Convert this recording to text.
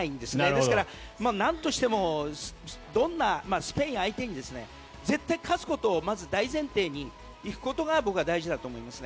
ですからなんとしても、どんなスペインを相手に絶対に勝つことをまず大前提に行くことが僕は大事だと思います。